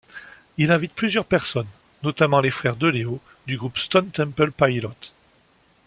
Il invite plusieurs personnes, notamment les frères De Leo du groupe Stone Temple Pilots.